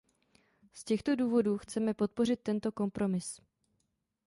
Z těchto důvodů chceme podpořit tento kompromis.